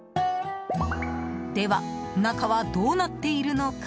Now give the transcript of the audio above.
では、中はどうなっているのか。